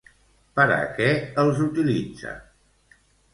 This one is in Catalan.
Per a què els utilitza?